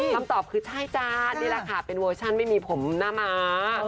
คำตอบคือใช่จ้านี่แหละค่ะเป็นเวอร์ชันไม่มีผมหน้าม้า